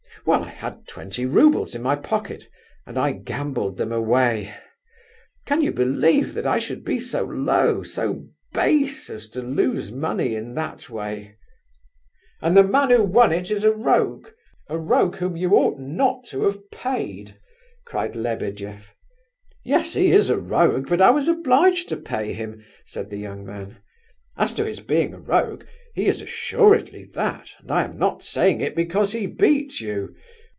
Well, I had twenty roubles in my pocket, and I gambled them away. Can you believe that I should be so low, so base, as to lose money in that way?" "And the man who won it is a rogue, a rogue whom you ought not to have paid!" cried Lebedeff. "Yes, he is a rogue, but I was obliged to pay him," said the young man. "As to his being a rogue, he is assuredly that, and I am not saying it because he beat you.